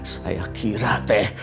saya kira teh